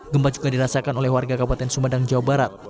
gempa juga dirasakan oleh warga kabupaten sumedang jawa barat